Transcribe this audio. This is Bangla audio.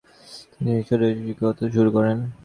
তিনি মিশরের পোর্ট সাইদে শিক্ষকতা শুরু করেন।